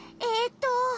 えっと。